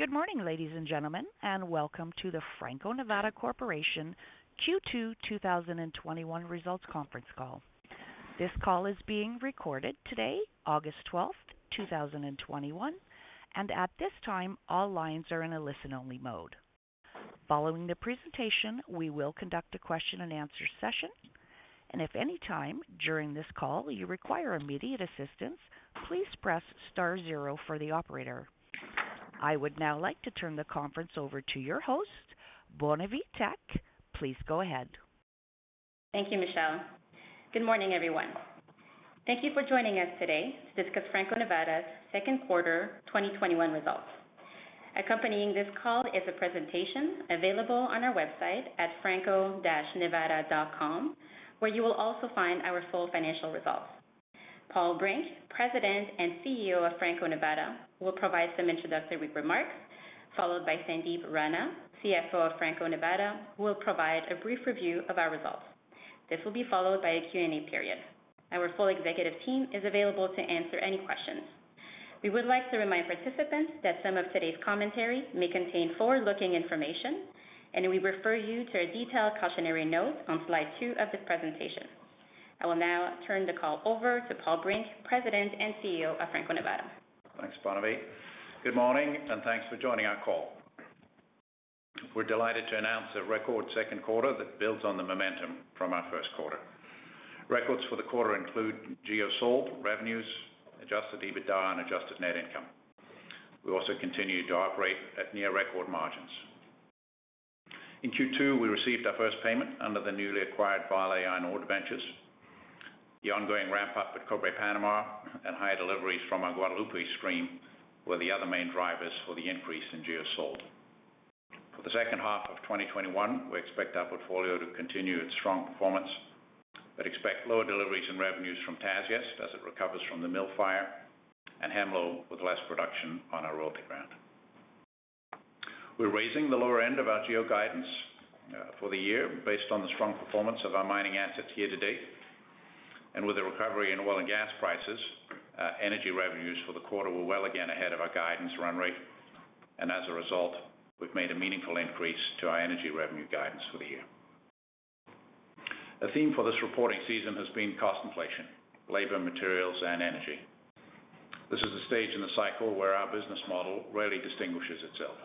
Good morning, ladies and gentlemen, and welcome to the Franco-Nevada Corporation Q2 2021 results conference call. This call is being recorded today, August 12, 2021, and at this time, all lines are in a listen-only mode. Following the presentation, we will conduct a question and answer session, and if any time during this call you require immediate assistance, please press star zero for the operator. I would now like to turn the conference over to your host, Bonavie Tek. Please go ahead. Thank you, Michelle. Good morning, everyone. Thank you for joining us today to discuss Franco-Nevada's second quarter 2021 results. Accompanying this call is a presentation available on our website at franco-nevada.com, where you will also find our full financial results. Paul Brink, President and CEO of Franco-Nevada, will provide some introductory remarks, followed by Sandip Rana, CFO of Franco-Nevada, who will provide a brief review of our results. This will be followed by a Q&A period. Our full executive team is available to answer any questions. We would like to remind participants that some of today's commentary may contain forward-looking information, and we refer you to a detailed cautionary note on slide two of this presentation. I will now turn the call over to Paul Brink, President and CEO of Franco-Nevada. Thanks, Bonavie Good morning and thanks for joining our call. We're delighted to announce a record second quarter that builds on the momentum from our first quarter. Records for the quarter include GEOs sold, revenues, Adjusted EBITDA, and adjusted net income. We also continue to operate at near record margins. In Q2, we received our first payment under the newly acquired Vale Debentures. The ongoing ramp up at Cobre Panamá and higher deliveries from our Guadalupe stream were the other main drivers for the increase in GEOs sold. For the second half of 2021, we expect our portfolio to continue its strong performance, but expect lower deliveries and revenues from Tasiast as it recovers from the mill fire, and Hemlo with less production on our royalty ground. We're raising the lower end of our GEO guidance for the year based on the strong performance of our mining assets here to date. With a recovery in oil and gas prices, energy revenues for the quarter were well again ahead of our guidance run rate, and as a result, we've made a meaningful increase to our energy revenue guidance for the year. A theme for this reporting season has been cost inflation, labor and materials, and energy. This is a stage in the cycle where our business model really distinguishes itself.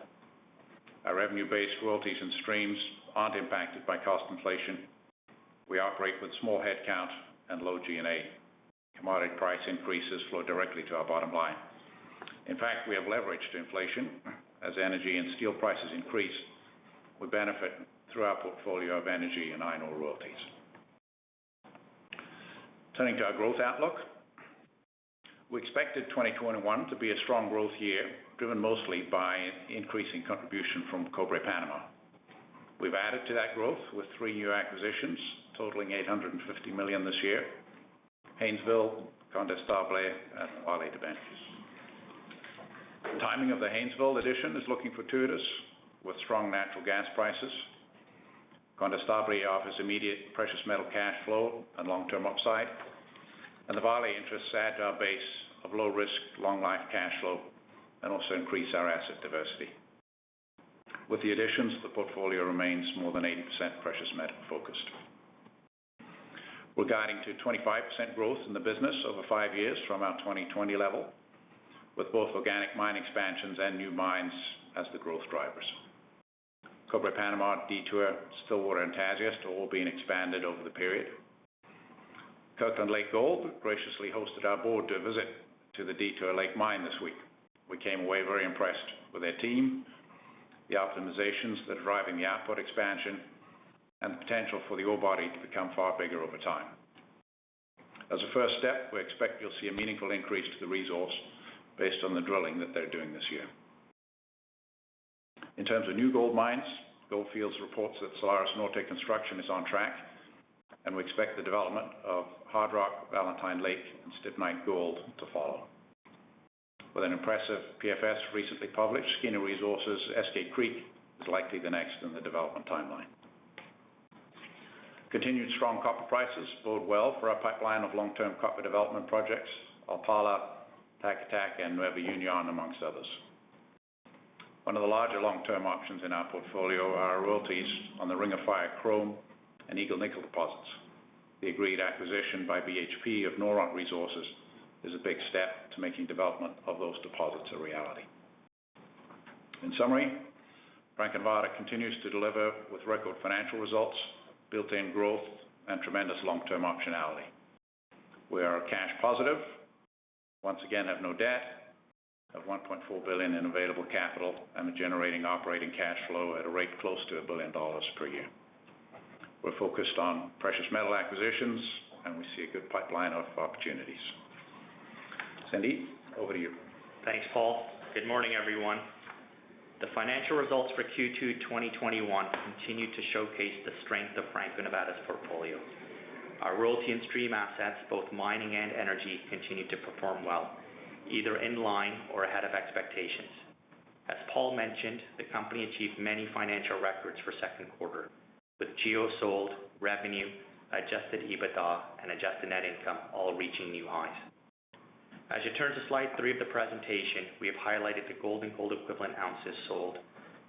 Our revenue-based royalties and streams aren't impacted by cost inflation. We operate with small headcount and low G&A. Commodity price increases flow directly to our bottom line. In fact, we have leveraged inflation. As energy and steel prices increase, we benefit through our portfolio of energy and iron ore royalties. Turning to our growth outlook, we expected 2021 to be a strong growth year, driven mostly by increasing contribution from Cobre Panamá. We've added to that growth with three new acquisitions totaling $850 million this year, Haynesville, Condestable, and Vale Debentures. The timing of the Haynesville addition is looking fortuitous, with strong natural gas prices. Condestable offers immediate precious metal cash flow and long term upside. The Vale interests add to our base of low risk, long life cash flow, and also increase our asset diversity. With the additions, the portfolio remains more than 80% precious metal focused. We're guiding to 25% growth in the business over five years from our 2020 level, with both organic mine expansions and new mines as the growth drivers. Cobre Panamá, Detour, Stillwater, and Tasiast are all being expanded over the period. Kirkland Lake Gold graciously hosted our board to a visit to the Detour Lake mine this week. We came away very impressed with their team, the optimizations that are driving the output expansion, and the potential for the ore body to become far bigger over time. As a first step, we expect you'll see a meaningful increase to the resource based on the drilling that they're doing this year. In terms of new gold mines, Gold Fields reports that Salares Norte construction is on track, and we expect the development of Hardrock, Valentine Lake, and Stibnite Gold to follow. With an impressive PFS recently published, Skeena Resources' Eskay Creek is likely the next in the development timeline. Continued strong copper prices bode well for our pipeline of long term copper development projects, Alpala, Taca Taca, and NuevaUnión, amongst others. One of the larger long term options in our portfolio are our royalties on the Ring of Fire chrome and Eagle Nickel deposits. The agreed acquisition by BHP of Noront Resources is a big step to making development of those deposits a reality. In summary, Franco-Nevada continues to deliver with record financial results, built-in growth, and tremendous long term optionality. We are cash positive, once again have no debt, have $1.4 billion in available capital, and are generating operating cash flow at a rate close to $1 billion per year. We're focused on precious metal acquisitions, and we see a good pipeline of opportunities. Sandip, over to you. Thanks, Paul. Good morning, everyone. The financial results for Q2 2021 continue to showcase the strength of Franco-Nevada's portfolio. Our royalty and stream assets, both mining and energy, continue to perform well, either in line or ahead of expectations. As Paul mentioned, the company achieved many financial records for second quarter. With GEOs sold, revenue, Adjusted EBITDA, and adjusted net income all reaching new highs. As you turn to slide three of the presentation, we have highlighted the gold and gold equivalent ounces sold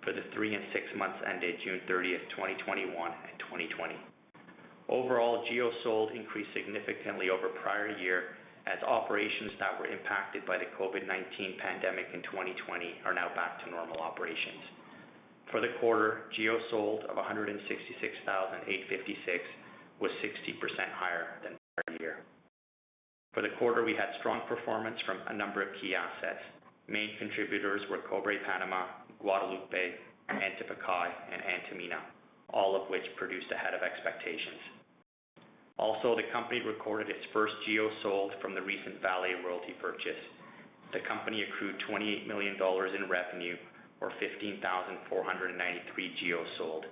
for the three and and months ended June 30th, 2021 and 2020. Overall, GEOs sold increased significantly over prior year, as operations that were impacted by the COVID-19 pandemic in 2020 are now back to normal operations. For the quarter, GEOs sold of 166,856 was 60% higher than prior year. For the quarter, we had strong performance from a number of key assets. Main contributors were Cobre Panamá, Guadalupe, Antapaccay, and Antamina, all of which produced ahead of expectations. The company recorded its first GEOs sold from the recent Vale Royalty purchase. The company accrued $28 million in revenue or 15,493 GEOs sold.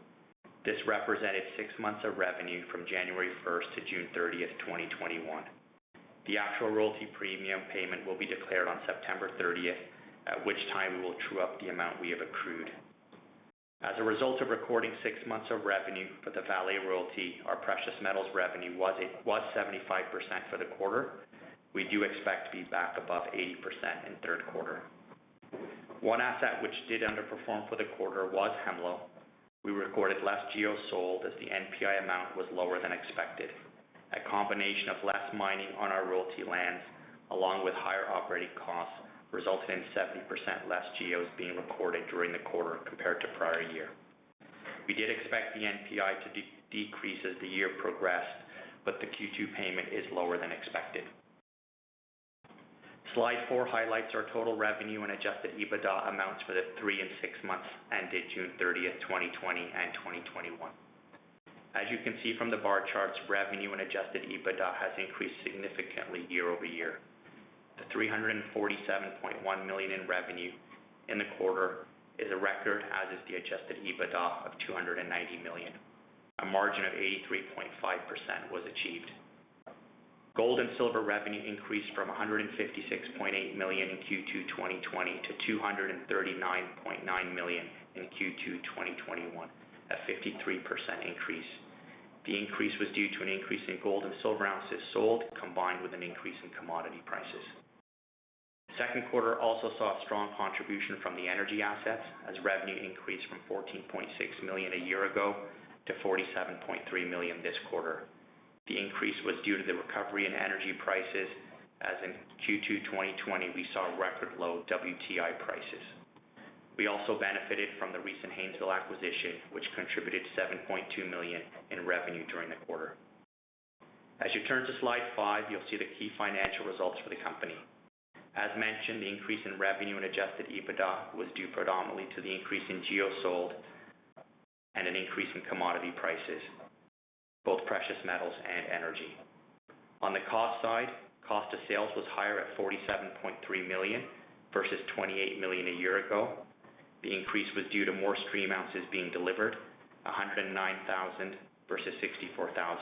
This represented six months of revenue from January 1st to June 30th, 2021. The actual royalty premium payment will be declared on September 30th, at which time we will true up the amount we have accrued. As a result of recording six months of revenue for the Vale Royalty, our precious metals revenue was 75% for the quarter. We do expect to be back above 80% in the third quarter. One asset which did underperform for the quarter was Hemlo. We recorded less GEOs sold as the NPI amount was lower than expected. A combination of less mining on our royalty lands along with higher operating costs resulted in 70% less GEOs being recorded during the quarter compared to prior year. We did expect the NPI to decrease as the year progressed, but the Q2 payment is lower than expected. Slide four highlights our total revenue and Adjusted EBITDA amounts for the three and six months ended June 30th, 2020 and 2021. As you can see from the bar charts, revenue and Adjusted EBITDA has increased significantly year-over-year. The $347.1 million in revenue in the quarter is a record, as is the Adjusted EBITDA of $290 million. A margin of 83.5% was achieved. Gold and silver revenue increased from $156.8 million in Q2 2020 to $239.9 million in Q2 2021, a 53% increase. The increase was due to an increase in gold and silver ounces sold, combined with an increase in commodity prices. The second quarter also saw a strong contribution from the energy assets as revenue increased from $14.6 million a year ago to $47.3 million this quarter. The increase was due to the recovery in energy prices as in Q2 2020, we saw record low WTI prices. We also benefited from the recent Haynesville acquisition, which contributed $7.2 million in revenue during the quarter. As you turn to slide five, you'll see the key financial results for the company. As mentioned, the increase in revenue and Adjusted EBITDA was due predominantly to the increase in GEOs sold and an increase in commodity prices, both precious metals and energy. On the cost side, cost of sales was higher at $47.3 million versus $28 million a year ago. The increase was due to more stream ounces being delivered, 109,000 versus 64,000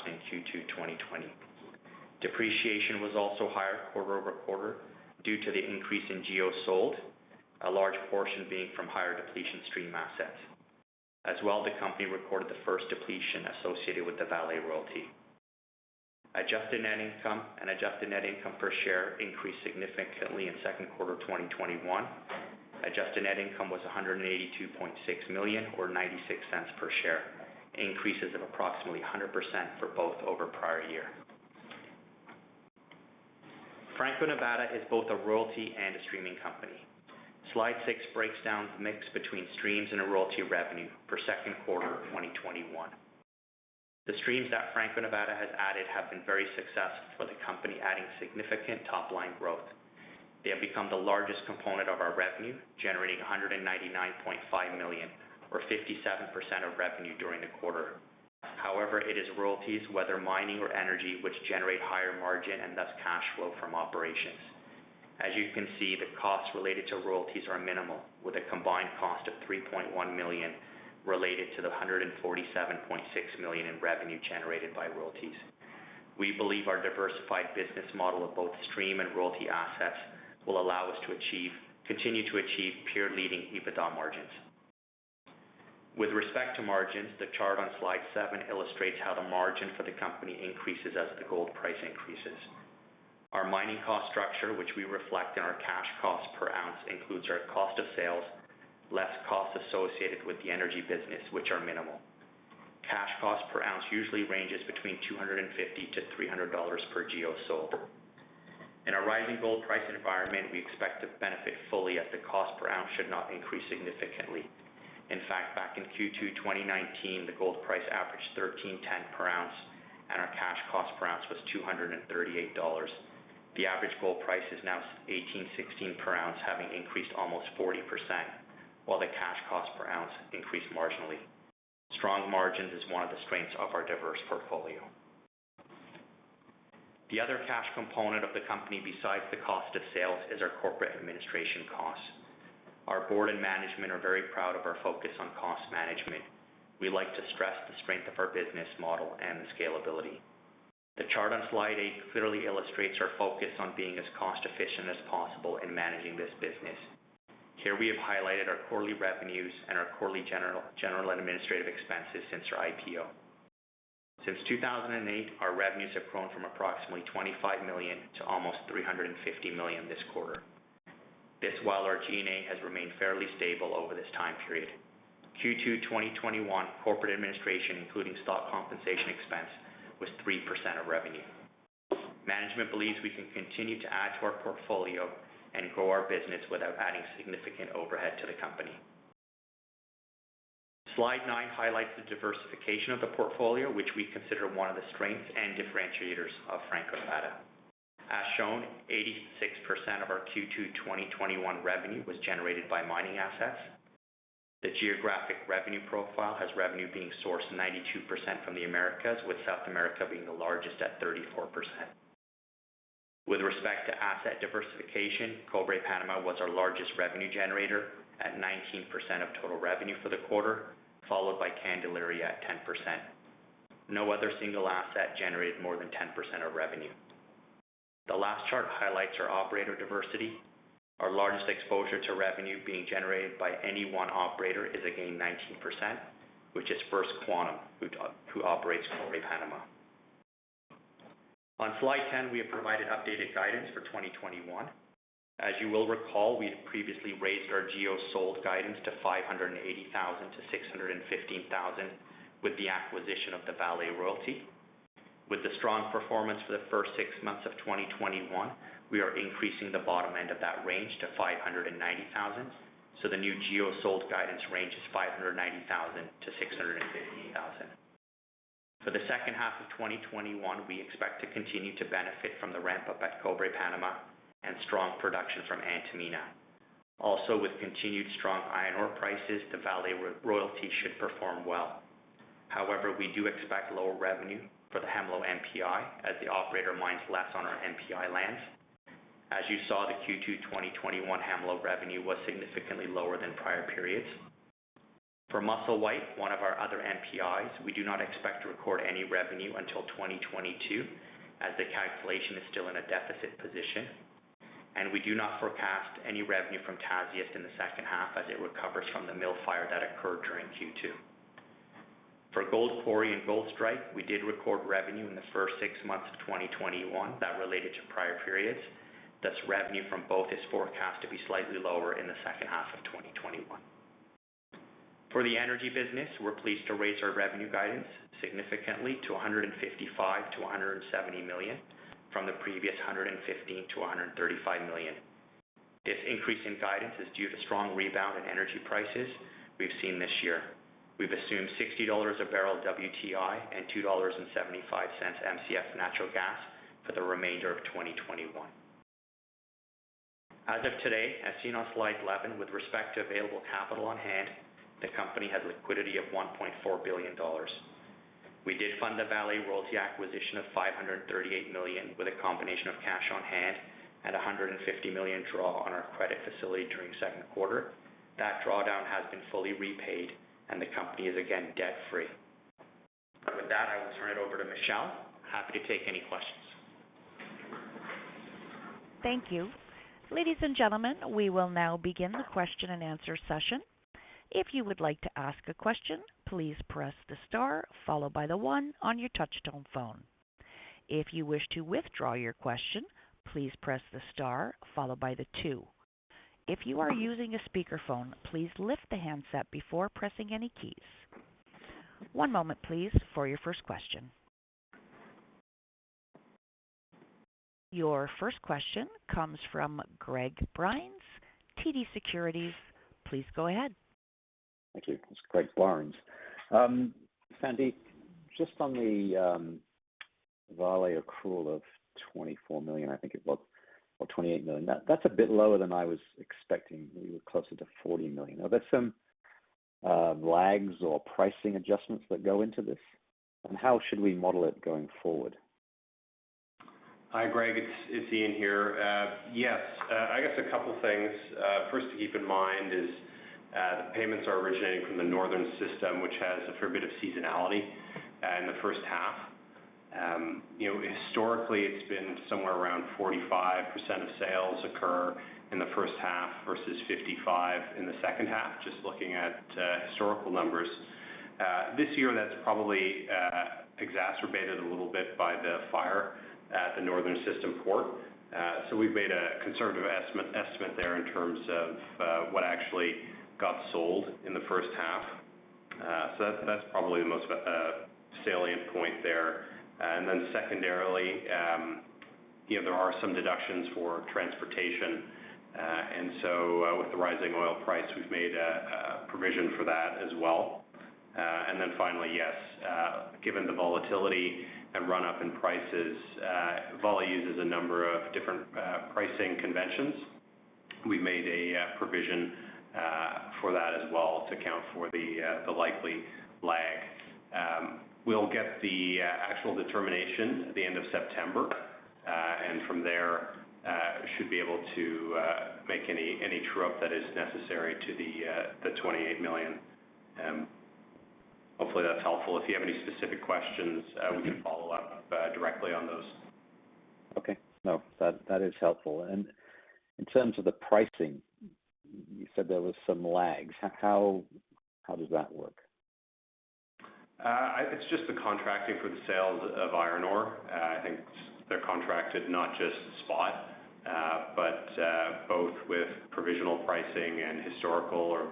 in Q2 2020. Depreciation was also higher quarter-over-quarter due to the increase in GEOs sold, a large portion being from higher depletion stream assets. As well, the company recorded the first depletion associated with the Vale Royalty. Adjusted net income and adjusted net income per share increased significantly in second quarter 2021. Adjusted net income was $182.6 million, or $0.96 per share, increases of approximately 100% for both over prior year. Franco-Nevada is both a royalty and a streaming company. Slide six breaks down the mix between streams and a royalty revenue for second quarter of 2021. The streams that Franco-Nevada has added have been very successful for the company, adding significant top-line growth. They have become the largest component of our revenue, generating $199.5 million, or 57% of revenue during the quarter. However, it is royalties, whether mining or energy, which generate higher margin and thus cash flow from operations. As you can see, the costs related to royalties are minimal, with a combined cost of $3.1 million related to the $147.6 million in revenue generated by royalties. We believe our diversified business model of both stream and royalty assets will allow us to continue to achieve peer-leading EBITDA margins. With respect to margins, the chart on slide seven illustrates how the margin for the company increases as the gold price increases. Our mining cost structure, which we reflect in our cash cost per ounce, includes our cost of sales, less costs associated with the energy business, which are minimal. Cash cost per ounce usually ranges between $250-$300 per GEO sold. In a rising gold price environment, we expect to benefit fully as the cost per ounce should not increase significantly. In fact, back in Q2 2019, the gold price averaged $1,310 per ounce, and our cash cost per ounce was $238. The average gold price is now $1,816 per ounce, having increased almost 40%, while the cash cost per ounce increased marginally. Strong margins is one of the strengths of our diverse portfolio. The other cash component of the company besides the cost of sales is our corporate administration costs. Our board and management are very proud of our focus on cost management. We like to stress the strength of our business model and the scalability. The chart on slide eight clearly illustrates our focus on being as cost efficient as possible in managing this business. Here we have highlighted our quarterly revenues and our quarterly general and administrative expenses since our IPO. Since 2008, our revenues have grown from approximately $25 million to almost $350 million this quarter. This while our G&A has remained fairly stable over this time period. Q2 2021 corporate administration, including stock compensation expense, was 3% of revenue. Management believes we can continue to add to our portfolio and grow our business without adding significant overhead to the company. Slide nine highlights the diversification of the portfolio, which we consider one of the strengths and differentiators of Franco-Nevada. As shown, 86% of our Q2 2021 revenue was generated by mining assets. The geographic revenue profile has revenue being sourced 92% from the Americas, with South America being the largest at 34%. With respect to asset diversification, Cobre Panamá was our largest revenue generator at 19% of total revenue for the quarter, followed by Candelaria at 10%. No other single asset generated more than 10% of revenue. The last chart highlights our operator diversity, our largest exposure to revenue being generated by any one operator is again 19%, which is First Quantum, who operates Cobre Panamá. On slide 10, we have provided updated guidance for 2021. As you will recall, we had previously raised our GEOs sold guidance to 580,000-615,000 with the acquisition of the Vale Royalty. With the strong performance for the first six months of 2021, we are increasing the bottom end of that range to 590,000. The new GEOs sold guidance range is 590,000-650,000. For the second half of 2021, we expect to continue to benefit from the ramp-up at Cobre Panamá and strong production from Antamina. Also, with continued strong iron ore prices, the Vale Royalty should perform well. However, we do expect lower revenue for the Hemlo NPI as the operator mines less on our NPI lands. As you saw, the Q2 2021 Hemlo revenue was significantly lower than prior periods. For Musselwhite, one of our other NPIs, we do not expect to record any revenue until 2022, as the calculation is still in a deficit position, and we do not forecast any revenue from Tasiast in the second half as it recovers from the mill fire that occurred during Q2. For Gold Quarry and Goldstrike, we did record revenue in the first six months of 2021 that related to prior periods. Revenue from both is forecast to be slightly lower in the second half of 2021. For the energy business, we're pleased to raise our revenue guidance significantly to $155 million-$170 million from the previous $115 million-$135 million. This increase in guidance is due to strong rebound in energy prices we've seen this year. We've assumed $60 a barrel WTI and $2.75 mcf natural gas for the remainder of 2021. As of today, as seen on slide 11, with respect to available capital on hand, the company has liquidity of $1.4 billion. We did fund the Vale Royalty acquisition of $538 million with a combination of cash on hand and $150 million draw on our credit facility during second quarter. That drawdown has been fully repaid and the company is again debt-free. With that, I will turn it over to Michelle. Happy to take any questions. Thank you. Ladies and gentlemen, we will now begin the question-and-answer session. If you would like to ask a question, please press the star followed by the one on your touch-tone phone. If you wish to withdraw your question, please press the star followed by the two. If you are using a speaker phone, please lift the handset before pressing any keys. One moment please for your first question. Your first question comes from Greg Barnes, TD Securities. Please go ahead. Thank you. It's Greg Barnes. Sandip, just on the Vale accrual of $24 million, I think it was, or $28 million. That's a bit lower than I was expecting. We were closer to $40 million. Are there some lags or pricing adjustments that go into this, and how should we model it going forward? Hi, Greg, it's Eaun here. Yes. I guess a couple things. First to keep in mind is the payments are originating from the northern system, which has a fair bit of seasonality in the first half. Historically, it's been somewhere around 45% of sales occur in the first half versus 55% in the second half, just looking at historical numbers. This year, that's probably exacerbated a little bit by the fire at the northern system port. We've made a conservative estimate there in terms of what actually got sold in the first half. That's probably the most salient point there. Secondarily, there are some deductions for transportation. With the rising oil price, we've made a provision for that as well. Finally, yes, given the volatility and run-up in prices, Vale uses a number of different pricing conventions. We've made a provision for that as well to account for the likely lag. We'll get the actual determination at the end of September. From there, should be able to make any true-up that is necessary to the $28 million. Hopefully that's helpful. If you have any specific questions, we can follow up directly on those. Okay. No, that is helpful. In terms of the pricing, you said there was some lags. How does that work? It's just the contracting for the sales of iron ore. I think they're contracted not just spot, but both with provisional pricing and historical or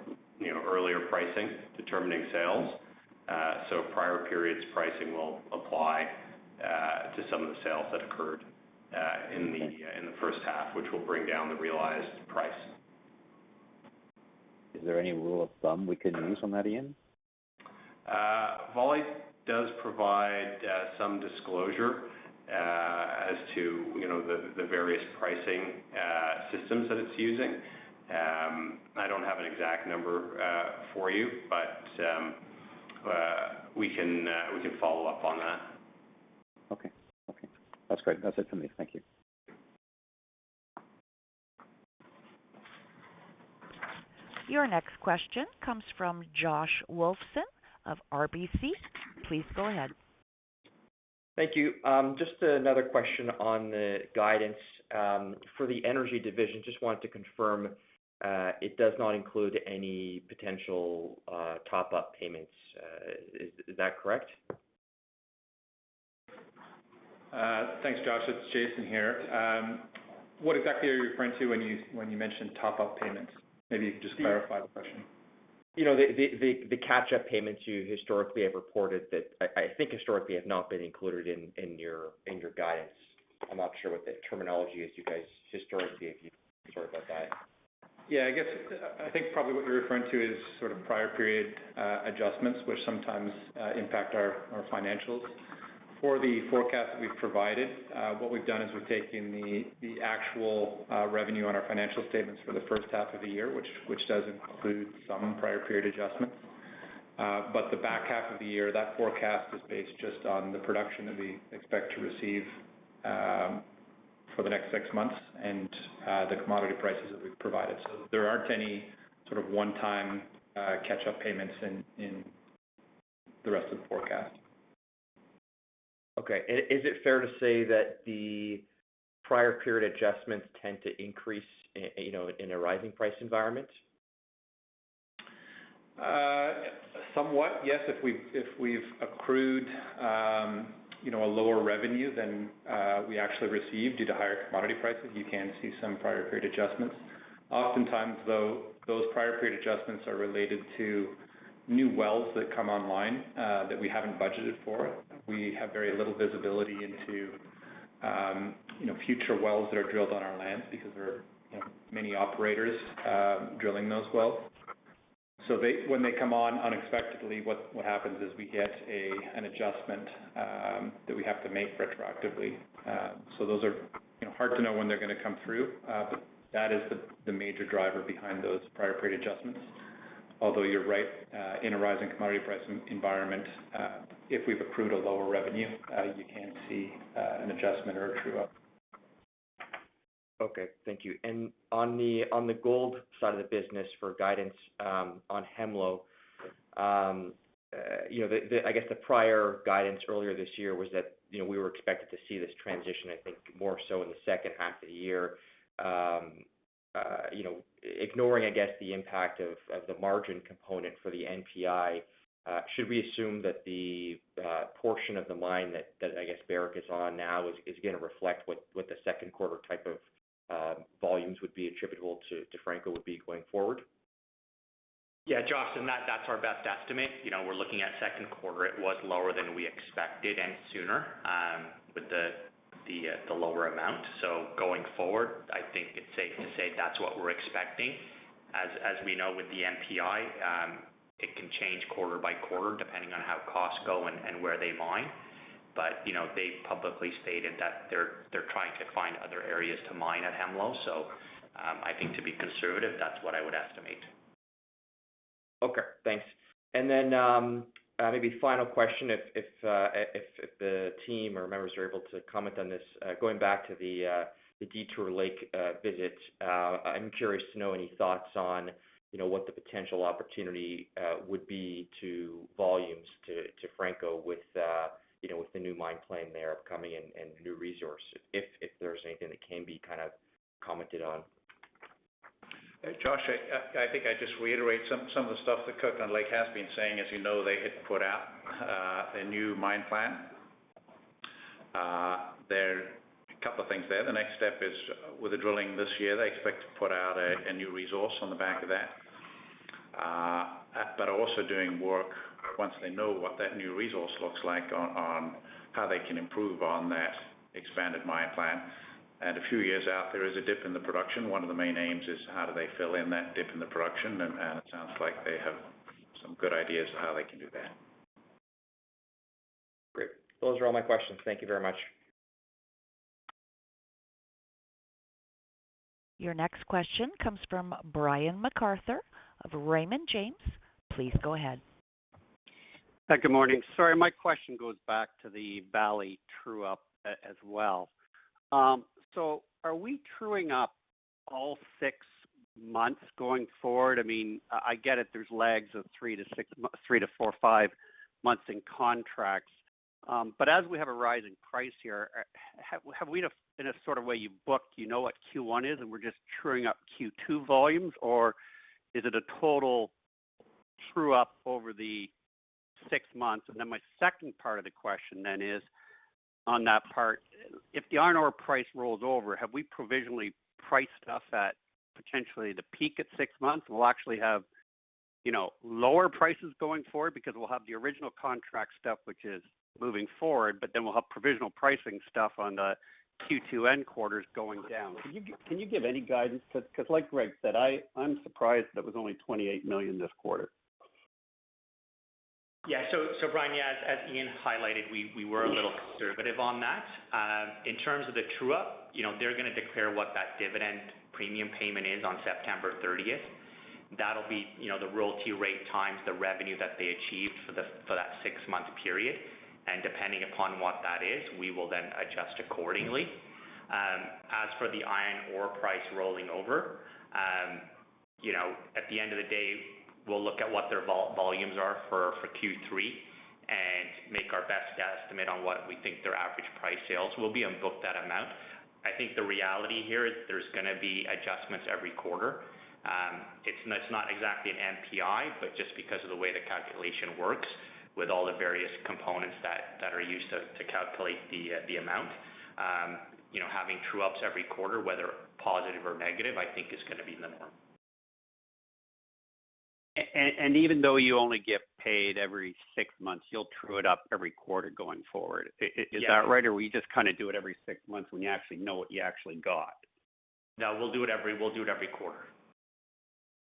earlier pricing determining sales. Prior periods pricing will apply to some of the sales that occurred in the first half, which will bring down the realized price. Is there any rule of thumb we can use on that, Eaun? Vale does provide some disclosure as to the various pricing systems that it's using. I don't have an exact number for you, but we can follow up on that. Okay. That's great. That's it for me. Thank you. Your next question comes from Josh Wolfson of RBC. Please go ahead. Thank you. Just another question on the guidance for the energy division. Just wanted to confirm it does not include any potential top-up payments. Is that correct? Thanks, Josh. It's Jason here. What exactly are you referring to when you mentioned top-up payments? Maybe you can just clarify the question. The catch-up payments you historically have reported that I think historically have not been included in your guidance. I'm not sure what the terminology is you guys historically, if you've heard about that? Yeah, I guess, I think probably what you're referring to is sort of prior period adjustments, which sometimes impact our financials. For the forecast we've provided, what we've done is we've taken the actual revenue on our financial statements for the first half of the year, which does include some prior period adjustments. But the back half of the year, that forecast is based just on the production that we expect to receive for the next six months and the commodity prices that we've provided. There aren't any sort of one-time catch-up payments in the rest of the forecast. Okay. Is it fair to say that the prior period adjustments tend to increase in a rising price environment? Somewhat, yes. If we've accrued a lower revenue than we actually received due to higher commodity prices, you can see some prior period adjustments. Oftentimes, though, those prior period adjustments are related to new wells that come online that we haven't budgeted for. We have very little visibility into future wells that are drilled on our lands because there are many operators drilling those wells. When they come on unexpectedly, what happens is we get an adjustment that we have to make retroactively. Those are hard to know when they're going to come through, but that is the major driver behind those prior period adjustments. Although you're right, in a rising commodity price environment, if we've accrued a lower revenue, you can see an adjustment or a true-up. Okay, thank you. On the gold side of the business for guidance on Hemlo, I guess the prior guidance earlier this year was that we were expected to see this transition, I think, more so in the second half of the year. Ignoring, I guess, the impact of the margin component for the NPI, should we assume that the portion of the mine that I guess Barrick is on now is going to reflect what the second quarter type of volumes would be attributable to Franco would be going forward? Yeah, Josh, that's our best estimate. We're looking at second quarter, it was lower than we expected and sooner with the lower amount. Going forward, I think it's safe to say that's what we're expecting. As we know with the NPI, it can change quarter by quarter depending on how costs go and where they mine. They've publicly stated that they're trying to find other areas to mine at Hemlo. I think to be conservative, that's what I would estimate. Okay, thanks. Then maybe final question, if the team or members are able to comment on this, going back to the Detour Lake visit, I'm curious to know any thoughts on what the potential opportunity would be to volumes to Franco with the new mine plan there upcoming and new resources, if there's anything that can be kind of commented on? Josh, I think I just reiterate some of the stuff that Kirkland Lake has been saying. As you know, they had put out a new mine plan. There are a couple of things there. The next step is with the drilling this year, they expect to put out a new resource on the back of that. They are also doing work once they know what that new resource looks like on how they can improve on that expanded mine plan. A few years out, there is a dip in the production. One of the main aims is how do they fill in that dip in the production, and it sounds like they have some good ideas of how they can do that. Great. Those are all my questions. Thank you very much. Your next question comes from Brian MacArthur of Raymond James. Please go ahead. Good morning. Sorry, my question goes back to the Vale true-up as well. Are we trueing up all six months going forward? I get it, there's lags of three to six, three to four, five months in contracts. As we have a rise in price here, have we, in a sort of way you book, you know what Q1 is, and we're just trueing up Q2 volumes? Is it a total true-up over the six months? My second part of the question then is, on that part, if the iron ore price rolls over, have we provisionally priced stuff at potentially the peak at six months? We'll actually have lower prices going forward because we'll have the original contract stuff which is moving forward, but then we'll have provisional pricing stuff on the Q2 end quarters going down. Can you give any guidance? Like Greg said, I'm surprised that it was only $28 million this quarter. Yeah. Brian, as Eaun highlighted, we were a little conservative on that. In terms of the true-up, they're going to declare what that dividend premium payment is on September 30th. That'll be the royalty rate times the revenue that they achieved for that six-month period. Depending upon what that is, we will then adjust accordingly. As for the iron ore price rolling over, at the end of the day, we'll look at what their volumes are for Q3 and make our best estimate on what we think their average price sales will be, and book that amount. I think the reality here is there's going to be adjustments every quarter. It's not exactly an NPI, just because of the way the calculation works with all the various components that are used to calculate the amount. Having true-ups every quarter, whether positive or negative, I think is going to be the norm. Even though you only get paid every six months, you'll true it up every quarter going forward. Yeah. Is that right? We just kind of do it every six months when you actually know what you actually got? No, we'll do it every quarter.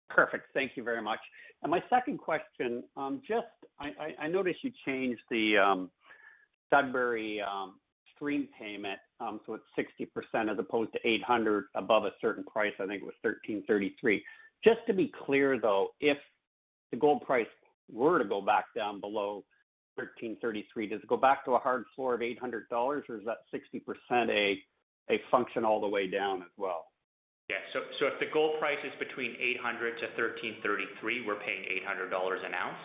Perfect. Thank you very much. My second question, I noticed you changed the Sudbury stream payment, so it's 60% as opposed to $800 above a certain price. I think it was $1,333. To be clear, though, if the gold price were to go back down below $1,333, does it go back to a hard floor of $800, or is that 60% a function all the way down as well? Yeah. If the gold price is between $800-$13.33, we're paying $800 an ounce.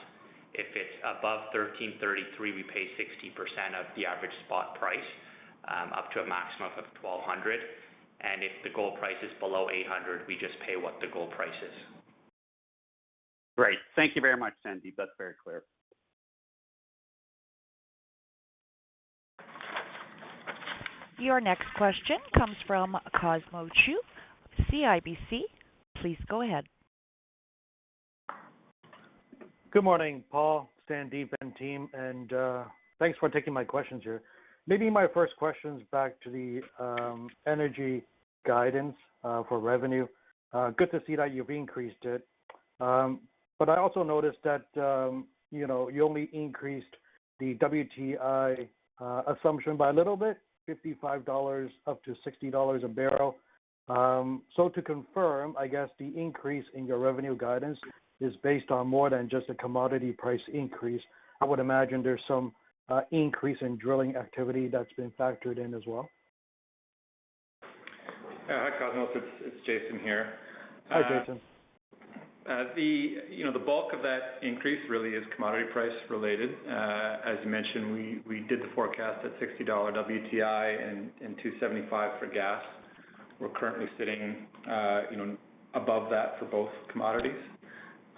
If it's above $13.33, we pay 60% of the average spot price, up to a maximum of $1,200. If the gold price is below $800, we just pay what the gold price is. Great. Thank you very much, Sandip. That's very clear. Your next question comes from Cosmo Chiu, CIBC. Please go ahead. Good morning, Paul, Sandip, and team, and thanks for taking my questions here. Maybe my first question's back to the energy guidance for revenue. Good to see that you've increased it. I also noticed that you only increased the WTI assumption by a little bit, $55 up to $60 a barrel. To confirm, I guess the increase in your revenue guidance is based on more than just a commodity price increase. I would imagine there's some increase in drilling activity that's been factored in as well. Hi, Cosmo. It's Jason here. Hi, Jason. The bulk of that increase really is commodity price related. As you mentioned, we did the forecast at $60 WTI and $2.75 for gas. We're currently sitting above that for both commodities.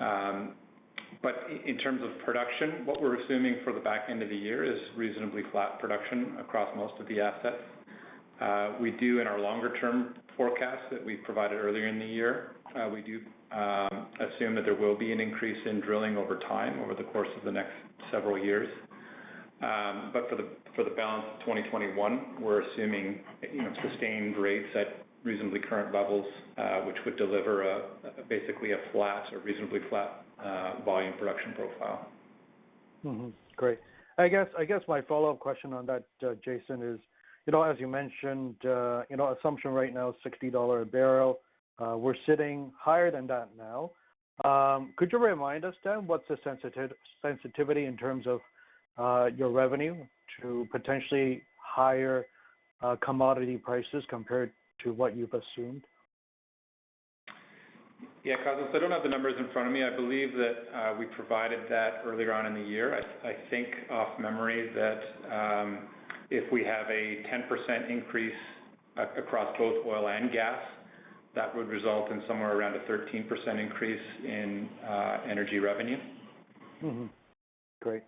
In terms of production, what we're assuming for the back end of the year is reasonably flat production across most of the assets. We do, in our longer term forecast that we provided earlier in the year, we do assume that there will be an increase in drilling over time over the course of the next several years. For the balance of 2021, we're assuming sustained rates at reasonably current levels, which would deliver basically a flat or reasonably flat volume production profile. Great. I guess my follow-up question on that, Jason, is, as you mentioned, assumption right now is $60 a barrel. We're sitting higher than that now. Could you remind us then, what's the sensitivity in terms of your revenue to potentially higher commodity prices compared to what you've assumed? Yeah, Cosmo. I don't have the numbers in front of me. I believe that we provided that earlier on in the year. I think, off memory, that if we have a 10% increase across both oil and gas, that would result in somewhere around a 13% increase in energy revenue. Great.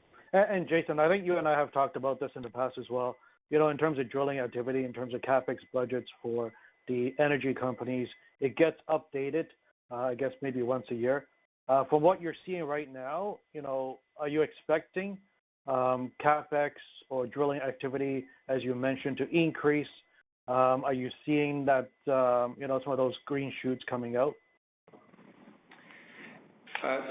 Jason, I think you and I have talked about this in the past as well. In terms of drilling activity, in terms of CapEx budgets for the energy companies, it gets updated, I guess maybe once a year. From what you're seeing right now, are you expecting CapEx or drilling activity, as you mentioned, to increase? Are you seeing some of those green shoots coming out?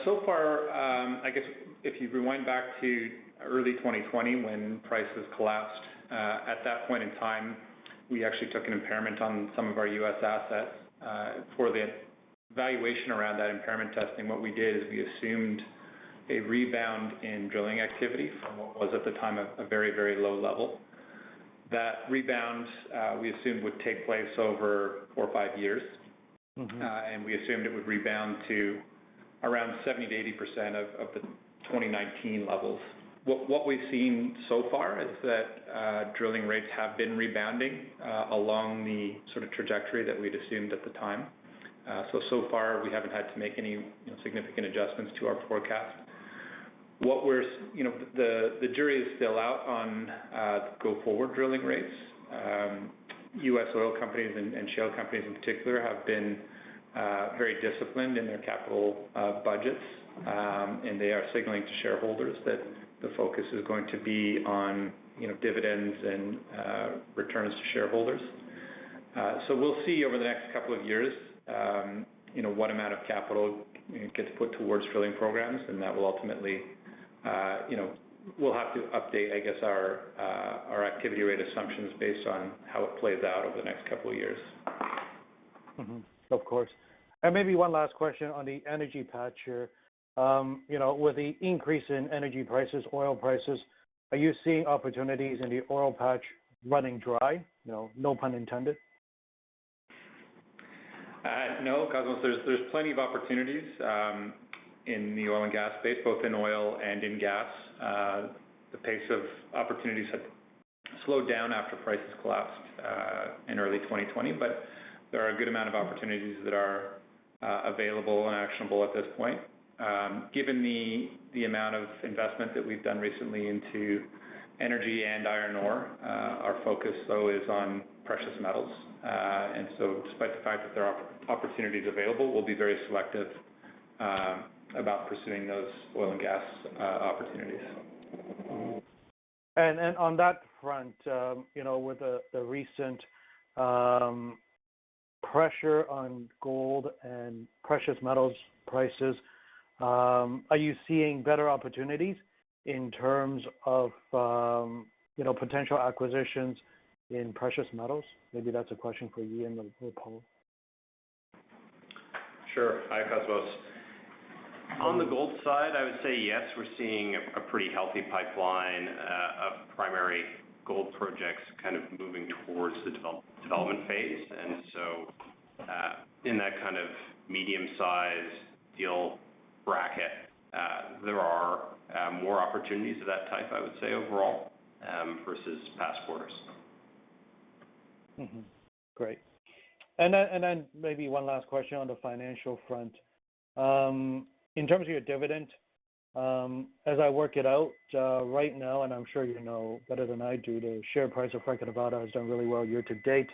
So far, I guess if you rewind back to early 2020, when prices collapsed, at that point in time, we actually took an impairment on some of our U.S. assets. For the valuation around that impairment testing, what we did is we assumed a rebound in drilling activity from what was at the time a very, very low level. That rebound, we assumed, would take place over four or five years. We assumed it would rebound to around 70%-80% of the 2019 levels. What we've seen so far is that drilling rates have been rebounding along the trajectory that we'd assumed at the time. So far we haven't had to make any significant adjustments to our forecast. The jury is still out on go-forward drilling rates. U.S. oil companies, and shale companies in particular, have been very disciplined in their capital budgets, and they are signaling to shareholders that the focus is going to be on dividends and returns to shareholders. We'll see over the next couple of years what amount of capital gets put towards drilling programs, and we'll have to update, I guess, our activity rate assumptions based on how it plays out over the next couple of years. Of course. Maybe one last question on the energy patch here. With the increase in energy prices, oil prices, are you seeing opportunities in the oil patch running dry? No pun intended. No, Cosmo, there's plenty of opportunities in the oil and gas space, both in oil and in gas. The pace of opportunities have slowed down after prices collapsed in early 2020, but there are a good amount of opportunities that are available and actionable at this point. Given the amount of investment that we've done recently into energy and iron ore, our focus, though, is on precious metals. Despite the fact that there are opportunities available, we'll be very selective about pursuing those oil and gas opportunities. On that front, with the recent pressure on gold and precious metals prices, are you seeing better opportunities in terms of potential acquisitions in precious metals? Maybe that's a question for Eaun or Paul. Sure. Hi, Cosmos. On the gold side, I would say yes, we're seeing a pretty healthy pipeline of primary gold projects kind of moving towards the development phase. In that kind of medium size deal bracket, there are more opportunities of that type, I would say, overall, versus past quarters. Great. Then maybe one last question on the financial front. In terms of your dividend, as I work it out, right now, and I'm sure you know better than I do, the share price of Franco-Nevada has done really well year-to-date.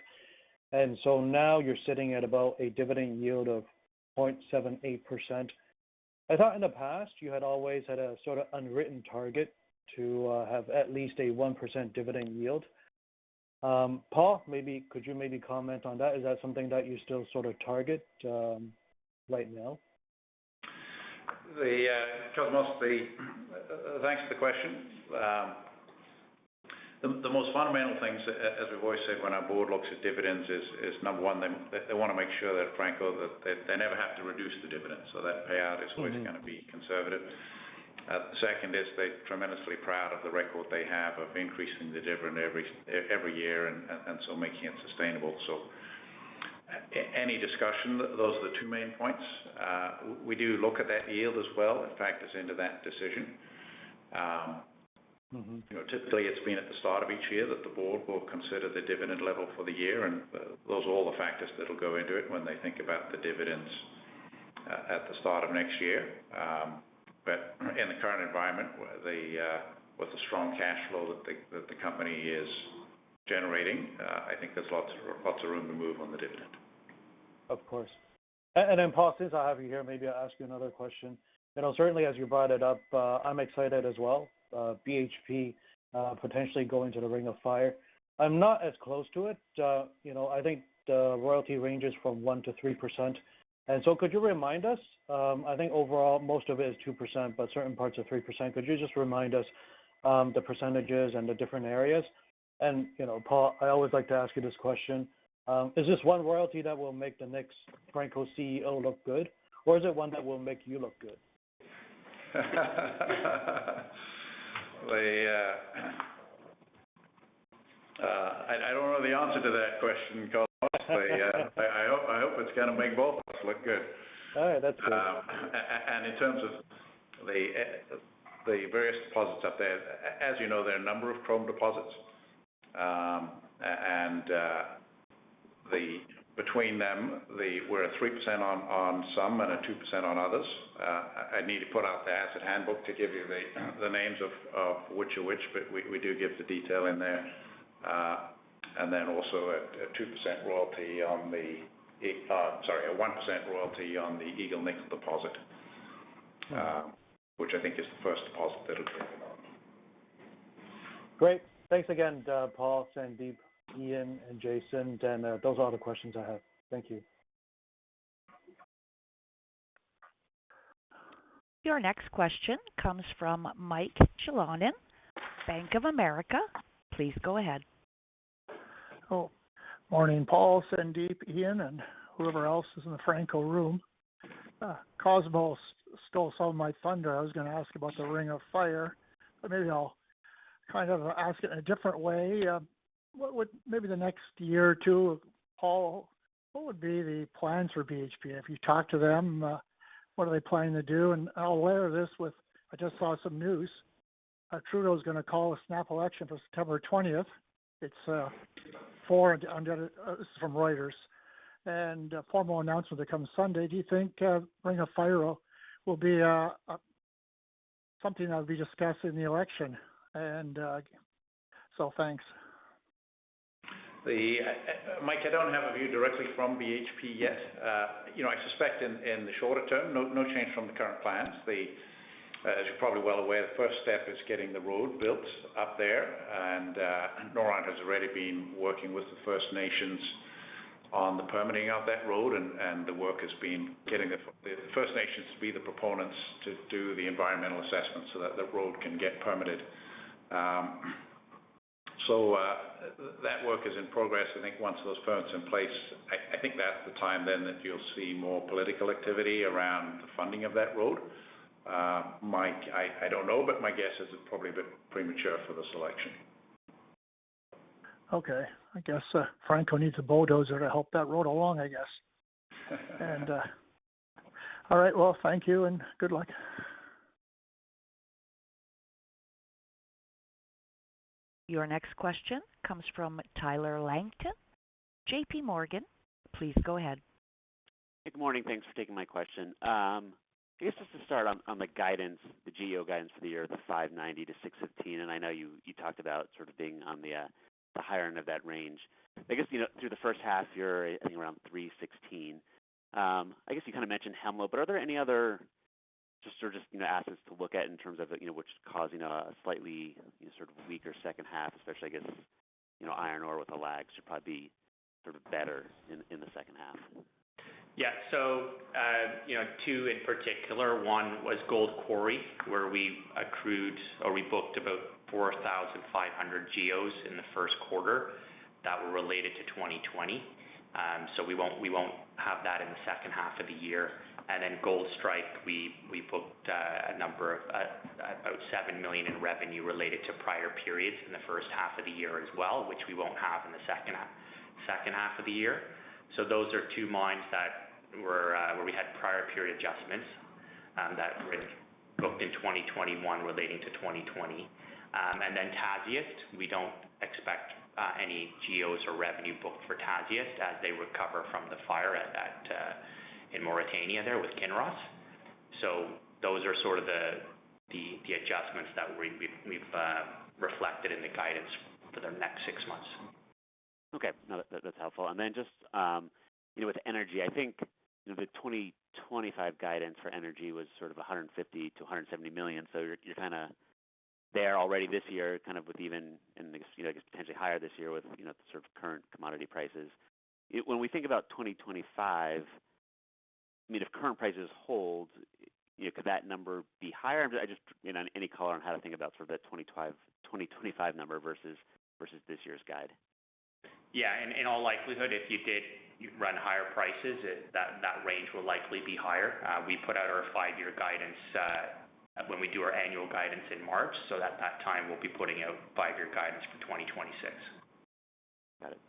So now you're sitting at about a dividend yield of 0.78%. I thought in the past you had always had a sort of unwritten target to have at least a 1% dividend yield. Paul, could you maybe comment on that? Is that something that you still sort of target right now? Cosmos, thanks for the question. The most fundamental things, as we've always said, when our board looks at dividends is, number one, they want to make sure that Franco, they never have to reduce the dividend. That payout is always going to be conservative. Second is, they're tremendously proud of the record they have of increasing the dividend every year and so making it sustainable. Any discussion, those are the two main points. We do look at that yield as well and factor into that decision. Typically, it's been at the start of each year that the board will consider the dividend level for the year. Those are all the factors that'll go into it when they think about the dividends at the start of next year. In the current environment, with the strong cash flow that the company is generating, I think there's lots of room to move on the dividend. Of course. Paul, since I have you here, maybe I'll ask you another question. Certainly as you brought it up, I'm excited as well, BHP potentially going to the Ring of Fire. I'm not as close to it. I think the royalty ranges from 1%-3%. Could you remind us, I think overall most of it is 2%, but certain parts are 3%. Could you just remind us the percentages and the different areas? Paul, I always like to ask you this question. Is this one royalty that will make the next Franco CEO look good, or is it one that will make you look good? I don't know the answer to that question, Cosmo. So, yeah. I hope it's going to make both of us look good. Alright, that's good. In terms of the various deposits up there, as you know, there are a number of chrome deposits. Between them, we're at 3% on some and at 2% on others. I'd need to pull out the asset handbook to give you the names of which are which, but we do give the detail in there. Then also a 2% royalty on the, sorry 1% royalty on Eagle Nickel Deposit, which I think is the first deposit that'll be developed. Great. Thanks again, Paul, Sandip, Eaun, and Jason. Those are all the questions I have. Thank you. Your next question comes from Mike Jalonen, Bank of America. Please go ahead. Oh. Morning, Paul, Sandip, Eaun, and whoever else is in the Franco-Nevada room. Cosmos stole some of my thunder. I was going to ask about the Ring of Fire, but maybe I'll ask it in a different way. Maybe the next year or two, Paul, what would be the plans for BHP? If you talk to them, what are they planning to do? I'm aware of this with, I just saw some news. Trudeau's going to call a snap election for September 20th. It's a... This is from Reuters. A formal announcement to come Sunday. Do you think Ring of Fire will be something that will be discussed in the election? Thanks. Mike, I don't have a view directly from BHP yet. I suspect in the shorter term, no change from the current plans. As you're probably well aware, the first step is getting the road built up there, and Noront has already been working with the First Nations on the permitting of that road, and the work has been getting the First Nations to be the proponents to do the environmental assessment so that the road can get permitted. That work is in progress. I think once those permits in place, I think that's the time then that you'll see more political activity around the funding of that road. Mike, I don't know, but my guess is it's probably a bit premature for this election. Okay. I guess Franco needs a bulldozer to help that road along, I guess. All right. Well, thank you, and good luck. Your next question comes from Tyler Langton, J.P. Morgan. Please go ahead. Good morning. Thanks for taking my question. I guess just to start on the guidance, the GEOs guidance for the year, the 590,000-615,000. I know you talked about sort of being on the higher end of that range. I guess, through the first half, you're I think around 316. I guess you kind of mentioned Hemlo. Are there any other just sort of assets to look at in terms of which is causing a slightly sort of weaker second half especially, I guess, iron ore with the lag should probably be sort of better in the second half? Two in particular. One was Gold Quarry, where we accrued, or we booked about 4,500 GEOs in the first quarter that were related to 2020. We won't have that in the second half of the year. Goldstrike, we booked about $7 million in revenue related to prior periods in the first half of the year as well, which we won't have in the second half of the year. Those are two mines where we had prior period adjustments that were booked in 2021 relating to 2020. And in Tasiast, we don't expect any GEOs or revenue booked for Tasiast as they recover from the fire in Mauritania there with Kinross. Those are sort of the adjustments that we've reflected in the guidance for the next six months. Okay. No, that's helpful. Then just with energy, I think the 2025 guidance for energy was sort of $150 million-$170 million. You're kind of there already this year with even in the, I guess, potentially higher this year with the sort of current commodity prices. When we think about 2025, if current prices hold, could that number be higher? Any color on how to think about sort of that 2025 number versus this year's guide? Yeah. In all likelihood, if you did run higher prices, that range will likely be higher. We put out our five-year guidance when we do our annual guidance in March, so at that time, we'll be putting out five-year guidance for 2026. Got it.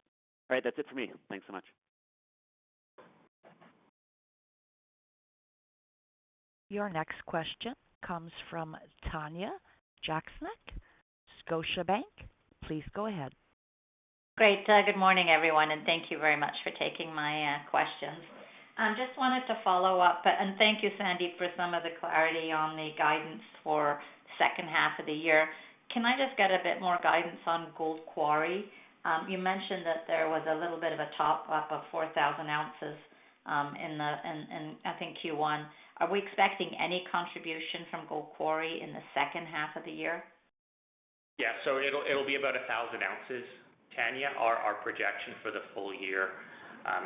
All right. That's it for me. Thanks so much. Your next question comes from Tanya Jakusconek, Scotiabank. Please go ahead. Great. Good morning, everyone, and thank you very much for taking my questions. Just wanted to follow up, and thank you, Sandip, for some of the clarity on the guidance for second half of the year. Can I just get a bit more guidance on Gold Quarry? You mentioned that there was a little bit of a top-up of 4,000 oz in, I think, Q1. Are we expecting any contribution from Gold Quarry in the second half of the year? It'll be about 1,000 oz, Tanya. Our projection for the full year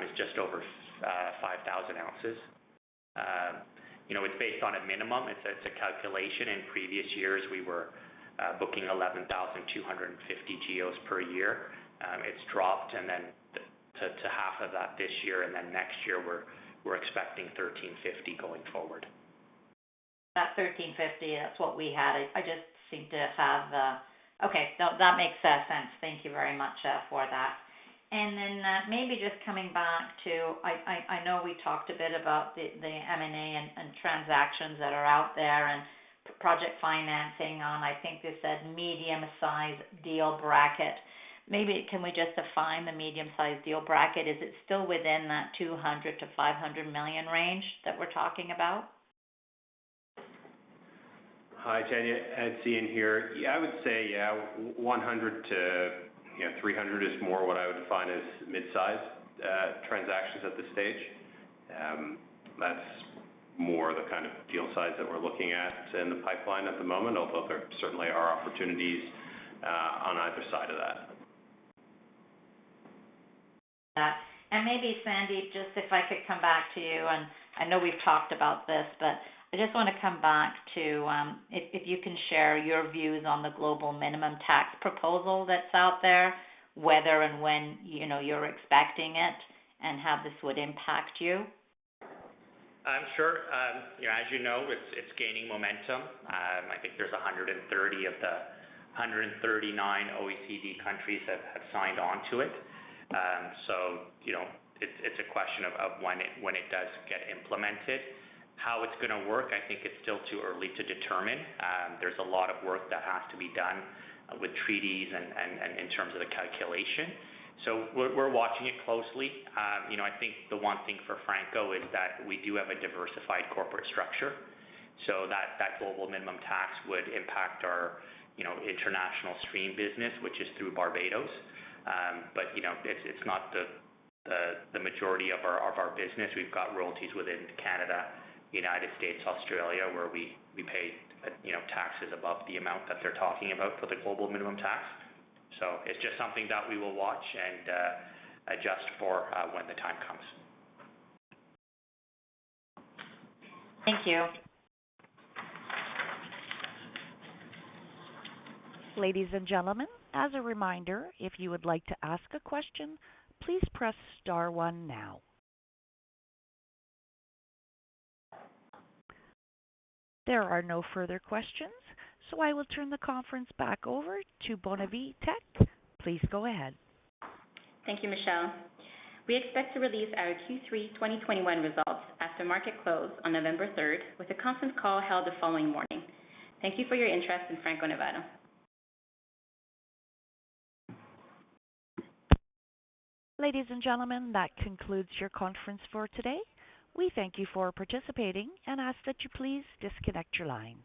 is just over 5,000 oz. It's based on a minimum. It's a calculation. In previous years, we were booking 11,250 GEOs per year. It's dropped to half of that this year. Next year, we're expecting 1,350 going forward. That 1,350, that's what we had. Okay. That makes sense. Thank you very much for that. Maybe just coming back to, I know we talked a bit about the M&A and transactions that are out there and project financing on, I think you said medium-size deal bracket. Maybe can we just define the medium-size deal bracket? Is it still within that $200 million-$500 million range that we're talking about? Hi, Tanya. It's Eaun here. I would say, yeah, $100 million-$300 million is more what I would define as mid-size transactions at this stage. That's more the kind of deal size that we're looking at in the pipeline at the moment, although there certainly are opportunities on either side of that. Maybe Sandip, just if I could come back to you, and I know we've talked about this, but I just want to come back to if you can share your views on the global minimum tax proposal that's out there, whether and when you're expecting it, and how this would impact you? Sure. As you know, it's gaining momentum. I think there's 130 of the 139 OECD countries that have signed onto it. It's a question of when it does get implemented. How it's going to work, I think it's still too early to determine. There's a lot of work that has to be done with treaties and in terms of the calculation. We're watching it closely. I think the one thing for Franco is that we do have a diversified corporate structure, so that global minimum tax would impact our international stream business, which is through Barbados. It's not the majority of our business. We've got royalties within Canada, United States, Australia, where we pay taxes above the amount that they're talking about for the global minimum tax. It's just something that we will watch and adjust for when the time comes. Thank you. Ladies and gentlemen, as a reminder, if you would like to ask a question, please press star one now. There are no further questions, so I will turn the conference back over to Bonavie Tek. Please go ahead. Thank you, Michelle. We expect to release our Q3 2021 results after market close on November 3rd with a conference call held the following morning. Thank you for your interest in Franco-Nevada. Ladies and gentlemen, that concludes your conference for today. We thank you for participating and ask that you please disconnect your lines.